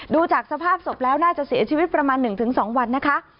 ดูจากสภาพศพแล้วน่าจะเสียชีวิตประมาณ๑๒วันนะคะ